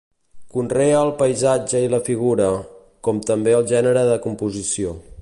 Conrea el paisatge i la figura, com també el gènere de composició.